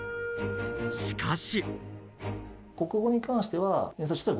しかし。